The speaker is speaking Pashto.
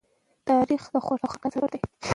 تاریخ د خوښۍ او خپګان سره ګډ دی.